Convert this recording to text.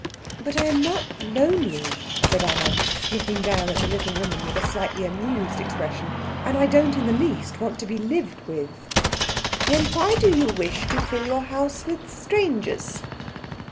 "But I am not lonely," said Anna, looking down at the little woman with a slightly amused expression, "and I don't in the least want to be lived with." "Then why do you wish to fill your house with strangers?"